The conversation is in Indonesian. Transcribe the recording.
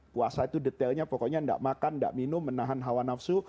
puasa itu detailnya pokoknya tidak makan tidak minum menahan hawa nafsu